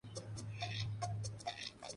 El juego recibió críticas variadas.